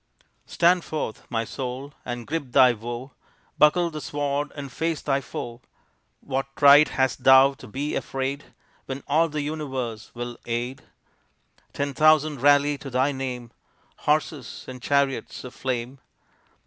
Stand forth, my soul, and grip thy woe, Buckle the sword and face thy foe. What right hast thou to be afraid When all the universe will aid? Ten thousand rally to thy name, Horses and chariots of flame.